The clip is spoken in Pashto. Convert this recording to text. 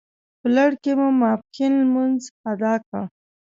په لړ کې مو ماپښین لمونځ اداء کړ.